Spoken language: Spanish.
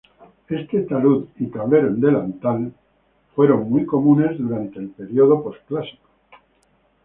Este talud y tablero en delantal fueron muy comunes durante el Periodo Posclásico.